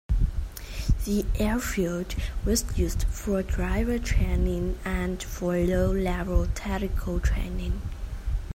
The airfield was used for driver training and for low level tactical training.